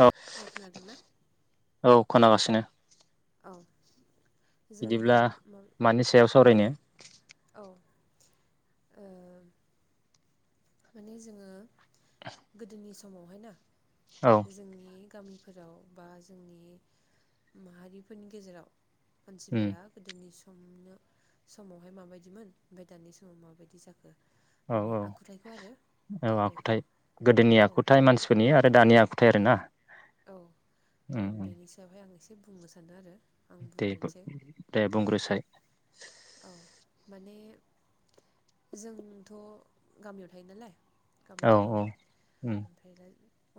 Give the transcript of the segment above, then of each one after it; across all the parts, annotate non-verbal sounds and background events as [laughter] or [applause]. औ औ खोनागासिनो औ बिदिब्ला मानि सायाव सावरायनो? औ ओ माने जोङो गोदोनि स मावहाय ना औ जोंनि गामिफोराव बा जोंनि माहारिफोरनि गेजेराव उम मानसिफोरा गोदोनि स समनो समावहाय माबायदिमोन ओमफाय दानि समाव माबायदि जाखो? औ माने औ आखुथाइ औ आखुथाय गोदोनि आखुथाय मानसिफोरनि आरो दानि आखु थाय ओरोना औ औ बेनि सायावहाय आं एसे एसे बुंनो सानदों आरो दे दे बुंग्रोसाय औ माने जोंथ' गामियाव थायो नालाय गामियाव औ औ थायोमोन उम ओमफ्राय दा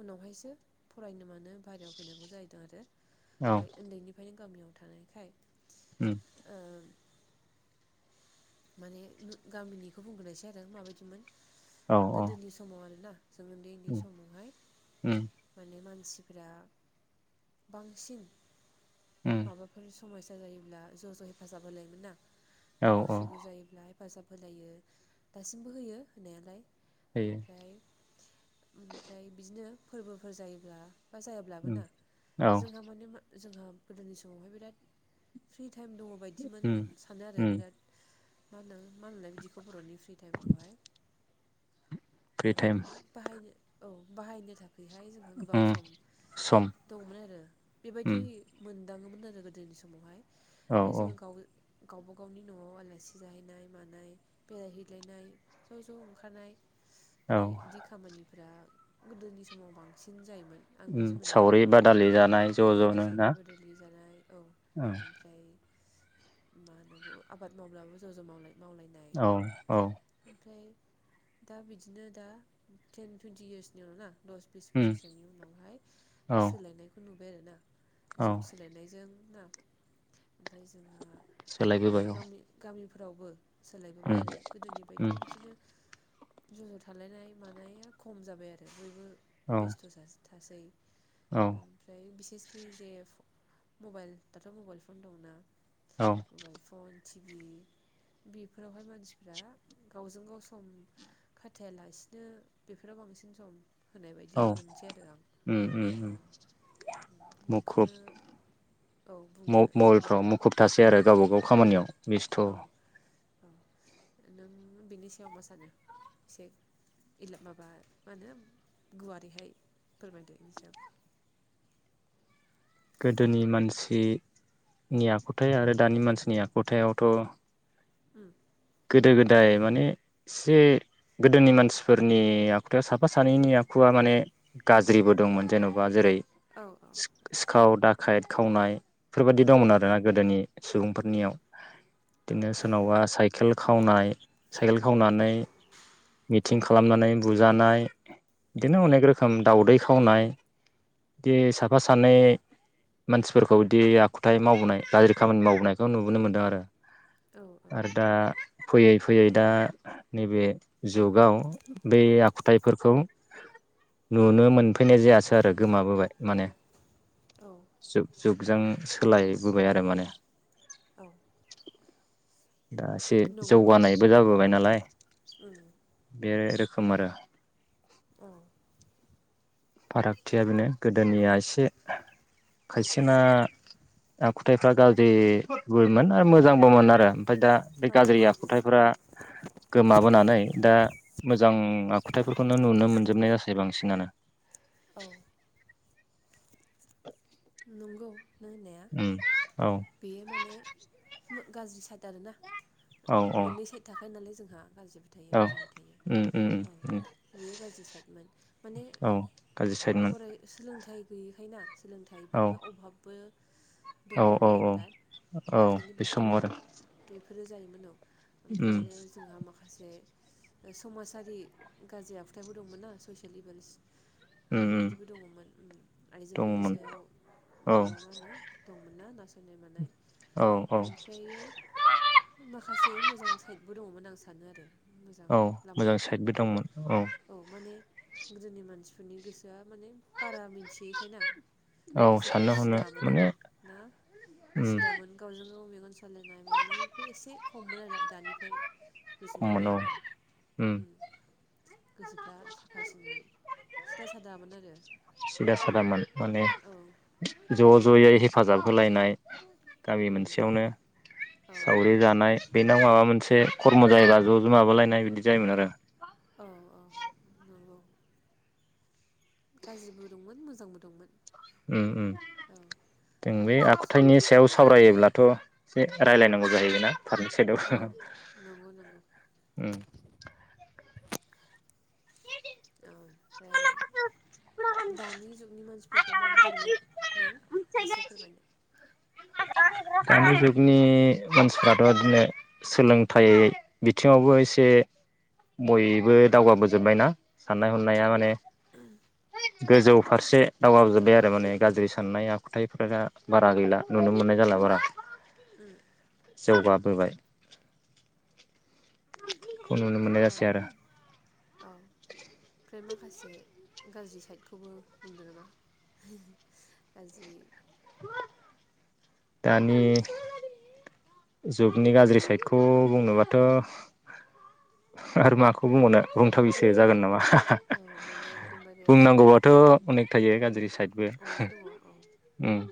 उनावहायसो फरायनो मानो बाहहेरायाव फैनांगौ जाहैदों आरो। औ ओमफ्राय उन्दैनिफ्राय गामियाव थानायखाय उम ओ माने गामिनिखौ बुंग्रोनायसै आरो माबायदिमोन औ औ गोदोनि समाव आरोना जों उन्दै उन्दै उम समावहाय उम माने मा मानसिफ्रा बांसिन उम माबाफोर समयसा जायोब्ला ज' ज' हेफाजाब होलायोमोन ना औ औ खु जायोब्ला हेफाजाब होलायो दासिमबो होयो होनायालाय होयो ओमफ्राय ओमफ्राय बिदिनो फोरबोफोर जायोब्ला बा जायाब्लाबो उम ना औ जोंहा माने मा जोंहा गोदोनि समावहाय बिराद फ्रि टाइम दङ बायदिमोन उम सानो आरो उम बिराद मा होनो मा होनोनलाय बिदिखौ बर'नि फ्रि टाइमखौहाय? फ्रि मा टाइम होनो बाहायनो औ। बाहायनो [unintelligible] बेहाय जोंहा गोबां उम सम सम दङमोन आरो उम बेबायदि मोन दाङोमोन आरो गोदोनि समावहाय। औ ओमफाय औ जोङो गावनो गावबा गावनि न'आव आलासि जाहैनाय मानाय बेरायहैलायनाय ज' ज' ओंखारनाय औ माने इदि खामानिफ्रा गोदोनि समाव बांसिन जायोमोन आं उम बिदि मोनो आरो सावरि बादालि जानाय ज' औ ज'नो ना सावरि बादालि जानाय औ औ ओमफ्राय मा होननांगौ। आबाद मावब्लाबो ज' ज' मावलायो औ औ। फ्राय दा बिदिनो दा टेन टुइन्टि इयार्सनि उनाव ना दस बिस उम बोसोरसोनि उनावहाय दा औ सोलायनायखौ नु बे आरो ना। औ जुग सोलायनायजों ना। ओमफाय जोङो ओ सोलायबोबाय औ गावनि गामि फोरावबो। सोलायबोबाय उम आरो गोदोनि उम बायदि बिदिनो ज' ज' थालायनाय मानाया खम जाबाय आरो बयबो। औ बेसथ' जाजोबबाय औ [unintelligible] ओमफ्राय बिसेस कि जे फ मबाइल दाथ' मबाइल फन दंना? औ। टिभि बेफोरावहाय मानसिफ्रा गावजों गाव सम खाथायालासिनो बेफोराव बांसिन सम औ ओम ओम ओम मुखुब म-मबाइलफ्राव मुखुब थासै आरो गावबागाव खामानियाव। बेस्थ'। औ नों बेनि सायाव मा सानो एसे माबा मा होनो गुवारैहाय फोरमायदो बेनि सायाव। गोदोनि मानसिनि आखुथाय आरो दानि मानसिनि आखुथायावथ'। ओम। गोदो गोदाय माने एसे गोदोनि मानसिफोरनि आखुथाय साफा सानैनि आखुआ माने गाज्रिबो दंमोन जेन'बा जेरै। सि-सिखाव दाख खाइद खावनाय। बेफोरबायदि दंमोन आरोना गोदोनि सुबुंफोरनियाव बिदिनो सोरनावबा साइ। खेल खावनाय साइखेल खावनानै मिथिं खालामनानै बुजानाय बिदिनो अनेक रोखोम दावदै खावनाय बिदि साफा सानै मानसिफोरखौ बिदि आखुथायाइ मावबोनाय गाज्रि खामानि मावबोनायखौ नुबोनो मोन्दों आरो। औ औ ओ। आरो दा फैयै फैयै दा नैबे जुगाव बे आखुथायाइफोरखौ नुनो मोनफैनाय जायासै आरो गोमाबोबाय माने। [inaudible] जुगजों सोलायबोबाय आरो माने। औ दा एसे जौगानायबो जाबोबाय नालाय बे रोख खोमारो। औ फारागथिया बेनो गोदोनिया एसे खायसेना आखुथायाइफ्रा गाज्रिबोमोन आरो मोजांबोमोन आरो ओमफाय दा बे गाज्रि आखुथायफोरा गोमाबोनानै दा मोजां आखुथायफोरखौनो नुनो मोनजोबनाय जासै बांसिनानो। औ नंगौ नों होननाया उम औ बेयो माने गाज्रि साइटारो ना। औ औ मोननै साइद थाखाय नालाय जों गाज्रिबो थायो औ मोजांबो थायो उम उम औ उम बेयो गाज्रि साइडमोन माने औ गाज्रि साइदमोन फराय सोलोंथाइ। गैयिखायना सोलोंथाइ औ ओमफाय अभाबबो औ दङमोन औ नालाय औ बिराद औ ओंखायनो बे समाव बेफोरो आरो बेफ रोजायोमोन औ। ओमफाय उम आरो जोंहा माखासे समाजारि गाज्रि आखुथायफोर दंमोन ना ससियेल इभेलस। उम उम बेबायदिबो दङमोन आइजोफोरनि दङमोन सायाव। औ। सोनाय मोननाय औ औ ओमफ्राय माखासे मोजां साइदबो दङमोन आं सानो आरो मोजां औ मोजां लामाबो सान साइडबो दंमोन औ माने गोदोनि मानसिफोरनि गोसोआ माने बारा मिथियैखायना औ गोसोफ्रा साननो हनो सिदामोन माने आरो ना उम सिदामोन गावजों गाव रालायनाय मालायफोर एसे हममोन आरो दानिफ्राय बुजिना खममोन औ नायोबा उम गोसोफ्रा साफासिनमोन सिदा सादामोन आरो सिदा सादामोन माने ज' ज'यै हेफाजाब होलायनाय गामि मोनसेयावनो सावरि जानाय बे दा माबा मोनसे खर्म' जायोबा ज' ज' माबालायनाय बिदि जायोमोन आरो औ-औ नंगौ गाज्रिबो दंमोन मोजांबो दंमोन ओम-ओम जों बे आखुथाइनि सायाव सा सावरायोब्लाथ' एसे रायज्लायनांगौ जाहैयोना [unintelligible] साइदआव ओम ओमफ्राय दानि जुगनि मानसि फोरखौ माबायदि मोनो नों एसे फोरमायनो दानि जुगनि मानसिफ्राथ' बिदिनो सोलोंथाइ बिथिङावबो एसे बयबो दावगाबोजोबबायना साननाय हनाया माने गोजौ फारसे दावगाजोब्बाय आरो माने गाज्रि साननाय आखुथाइफोरा बारा गैला नुनो मोननाय जाला बारा। ओम जौगाबोबाय [unintelligible] खौ नुनो मोननाय जासै आरो औ ओमफ्राय माखासे गाज्रि साइदखौबो बुंदों नामा गाज्रि [unintelligible] दानि जुगनि गाज्रि साइडखौ बुंनोबाथ' आरो माखौ बुंबावनो बुंथावैसो जागोन नामा बुंनांगौबाथ' अनेक थायो गाज्रि साइदबो ओम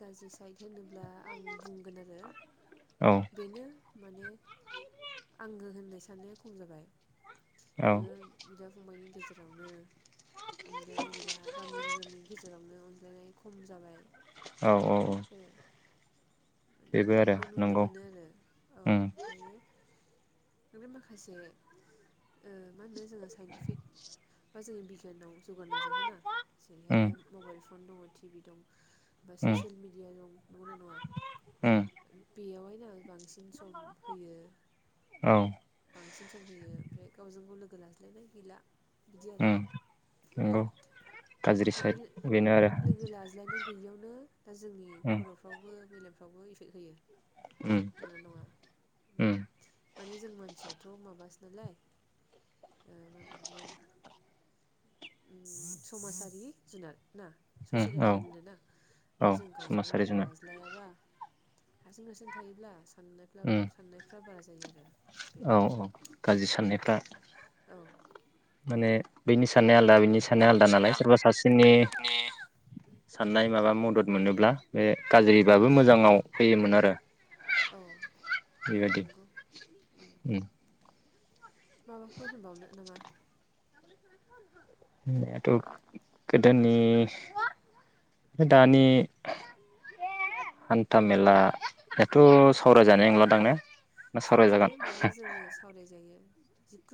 गाज्रि साइद होनोब्ला आं बुंगोन आरो औ बेनो माने आंगो होननाय साननाया खम जाबाय औ नोङो बिदा फंबायनि गेजेरावनो अनज्लायनाय गैला गामिनि गामिनि गेजेरावनो अनज्लायनाय खम जाबाय औ औ औ माने बेबो आरो आइखौ नुनो नंगौ मोनो आरो औ उम ओमफ्रायो बेबो माखासे ओ मा होनो जोङो साइनटिफिक बा जोंनि बिगो गियान दं जौगानायनायजोंहाय ना जेरैहाय उम दा मबाइल फन दङ टि भि दं। ओमफाय उम ससियेल मिडिया याव नुगोना नुवा? उम [unintelligible] बेयावहायना बांसिन सम होयो। औ बांसिन सम होयो ओमफ्राय गावजों गाव लो लाज्लायनाय गैला। बिदि आरो उम बिराद नंगौ गाज्रि बेबाय साइड बेनो आरो लोगो लाज्लायनाय गैयियावनो दा जोंनि उम खर'फ्रावबो मेले मावबो इफेक्ट होयो। उम नुनाय नङा उम माने जों मानसिया थ' माबासो नालाय ओम समाजारि जुनार। ना उम ससियेल औ एनिमोल होनदों ना औ ओमफाय जों गावजों गाव समाजारि लोगो जुनार लाज्लायाबा हारसिं हारसिं थायोब्ला साननायफ्रा उम साननायफ्रा बारा जायो आरो औ औ गाज्रि साननायफ्रा माने बैनि साननाया आल दा बिनि साननाया आलदा नालाय सोरबा सासेनि आलदानि साननाय माबा मदद मोनोब्ला बे गाज्रिबाबो मोजाङाव फैयोमोन आरो औ बेबायदि नंगौ उम माबाफोर होनबावनो नामा? होननायाथ' गोदोनि दानि हान्था मेला याथ' सावरायजानाय नंलादां ने? ना सावरायजागोन सावरायजायो माने जोङो सावरायजायो।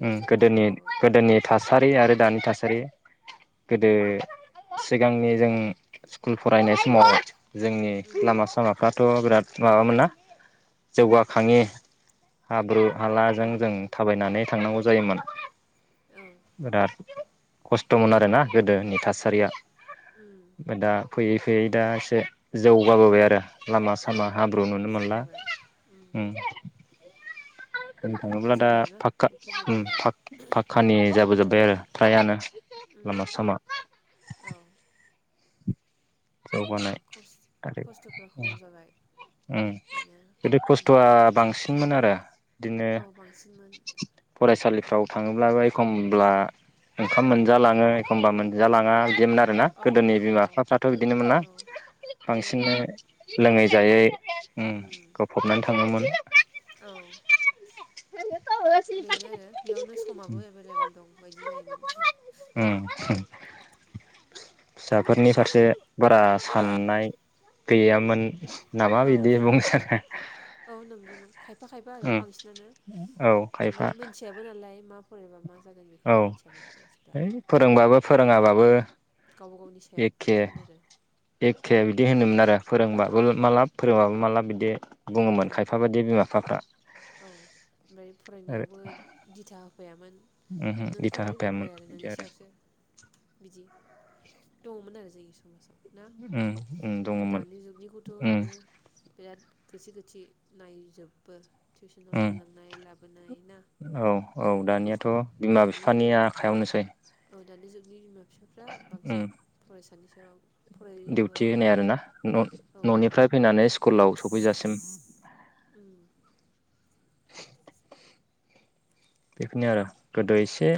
उम गोदोनि गोदोनि था सारि आरो दानि थासारि गोदो सिगांनि जों स्कुल फरायनाय समाव जोंनि लामा सामाफ्रा थ' बिराद माबामोन ना जौगाखाङि हाब्रु हालाजों जों थाबायनानै थांनांगौ जायोमोन। [unintelligible] खस्थ'मोन आरोना गोदोनि थासारिया। ओमफाय दा फैयै यै दासो जौगाबोबाय आरो। लामा सामा हाब्रु नुनो मोनला उम। बुंनो थाङोब्ला दा फाखका उम फाख फाखकानि जाबो जोब बाय आरो फ्रायानो। लामा सामा जौगानाय आरो उम उम गोदो खस्थ'आ बांसिनमोन आरो। दिनो फरायसालि फ्राव थाङोब्लाबो एखमब्ला ओंखाम मोनजालाङो एखमब्ला मोनजालाङा - दिमोन आरो ना गोदोनि बिमा बिफा बिदिनो मोन ना बांसिनै लोङै जायै उम गफबनानै थाङोमोन उम। [inaudible] फिसाफोरनि फारसे फिसाफोरा बारा साननाय गैयामोन। नामा औ बिदि बुंनो सानो औ नंगौ खायफा खायफा आरो उम बांसिनानो औ माने खायफा मोनथियाबो नालाय मा [unintelligible] औ होइ फोरोंबाबो फोरोङाबाबो एखे एखे बिदि होनोमोन आरो फोरोंबा [unintelligible] बिदि औ बुङोमोन खायफा बायदि बिमा बिफाफ्रा औ ओमबाय आरो फरायनायावबो दिथा फायामोन उमहो नों दिथा फराय दा होफायामोन फराय आरो बिदि नोंनि सायावसो बिदि दङमोन आरो जों समाजआव ना उम उम आरो दङमोन दानि जुगनिखौथ' उम नोङो बिराद गोथि गोथि नायजोबो। टिउसनाव उम दोनलांनाय लाबोनाय ना औ औ दानियाथ' बिमा दानि बिफानि आखायावनोसै औ दानि जुग [inaudible] फिसाफ्रा बांसिन फरायसानि [inaudible] दिउटि होनाय आरो ना न'निफ्राय फैनानै स्कुलाव सफैजासिम [inaudible] बेखियानो गोदो एसे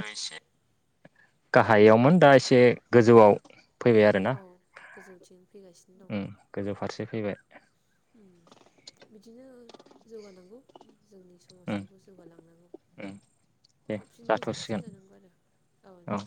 गाहायावमोन दा एसे गोजौआव फैबाय आरोना औ गोजौथिं फैगासिनो दं। से फैबाय जौगानांगौ जोंनि उम समाजावबो जौगालांनांगौ उम दे साबसिननिफ्राय जाथ'सिगोन साबसिन जानांगौ आरो औ दे।